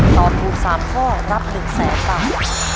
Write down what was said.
ตอบถูก๓ข้อรับ๑แสนบาท